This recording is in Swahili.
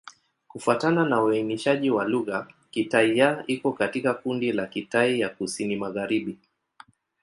Kufuatana na uainishaji wa lugha, Kitai-Ya iko katika kundi la Kitai ya Kusini-Magharibi.